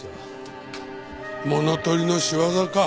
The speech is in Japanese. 物盗りの仕業か。